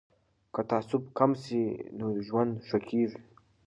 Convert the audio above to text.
که تعصب کم سي نو ژوند ښه کیږي.